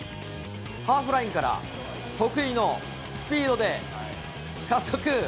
ハーフラインから、得意のスピードで、加速。